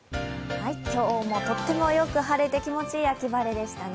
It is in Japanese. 今日もとってもよく晴れて、気持ちいい秋晴れでしたね。